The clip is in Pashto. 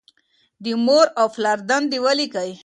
د مور او پلار دندې ولیکئ.